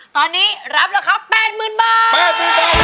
ตอนนี้รับราคา๘๐๐๐บาท